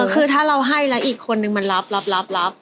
คือถ้าเราให้แล้วอีกคนนึงมันรับรับรับรับ